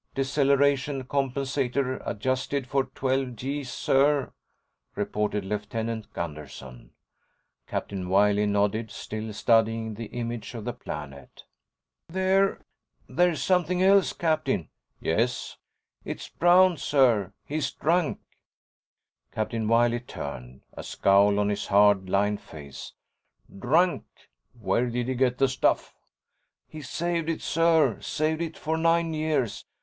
"Deceleration compensator adjusted for 12 G's, sir," reported Lieutenant Gunderson. Captain Wiley nodded, still studying the image of the planet. "There—there's something else, Captain." "Yes?" "It's Brown, sir. He's drunk." Captain Wiley turned, a scowl on his hard, lined face. "Drunk? Where'd he get the stuff?" "He saved it, sir, saved it for nine years.